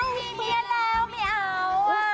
มีเมียแล้วไม่เอา